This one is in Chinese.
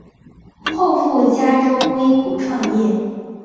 后赴加州硅谷创业。